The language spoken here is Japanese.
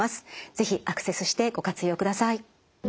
是非アクセスしてご活用ください。